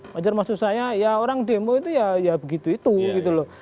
wajar maksud saya ya orang demo itu ya begitu itu gitu loh